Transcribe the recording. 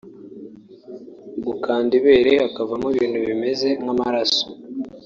Gukanda ibere hakavamo ibintu bimeze nk’amaraso